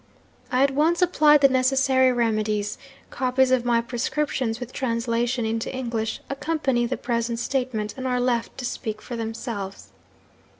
'"I at once applied the necessary remedies. Copies of my prescriptions (with translation into English) accompany the present statement, and are left to speak for themselves.